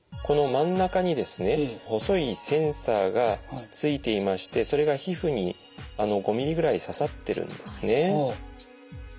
この真ん中にですね細いセンサーがついていましてそれが皮膚に５ｍｍぐらい刺さってるんですね。